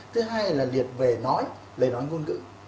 thứ hai là liệt về nói lời nói ngôn ngữ